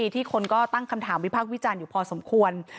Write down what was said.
ที่คนก็ตั้งคำถามวิพากษ์วิจารณ์อยู่พอสมควร